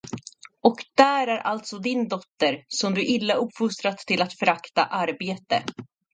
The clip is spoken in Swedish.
Och där är alltså din dotter, som du illa uppfostrat till att förakta arbete.